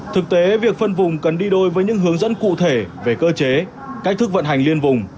thực tế việc phân vùng cần đi đôi với những hướng dẫn cụ thể về cơ chế cách thức vận hành liên vùng